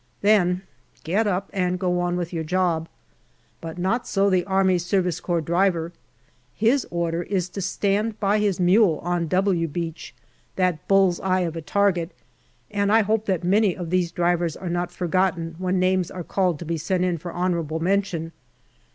Then get up and go on with your job. But not so the A.S.C. driver. His order is to stand by his mule on " W " Beach, that bull's eye of a target, and I hope that many of these drivers are not forgotten when names are called to be sent in for honourable mention.